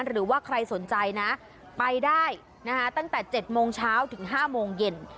หรือว่าใครสนใจนะไปได้นะคะตั้งแต่๗โมงเช้าถึง๕โมงเย็น